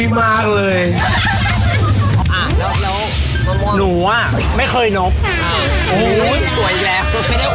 หนูอะไม่เคยนพ